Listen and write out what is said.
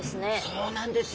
そうなんですよ。